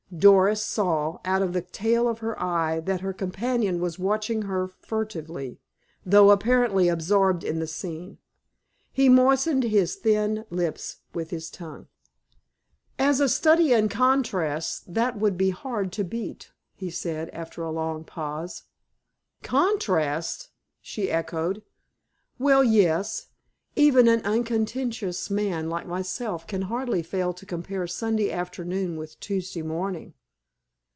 Doris saw, out of the tail of her eye, that her companion was watching her furtively, though apparently absorbed in the scene. He moistened his thin lips with his tongue. "As a study in contrasts, that would be hard to beat," he said, after a long pause. "Contrasts!" she echoed. "Well, yes. Even an uncontentious man like myself can hardly fail to compare Sunday afternoon with Tuesday morning."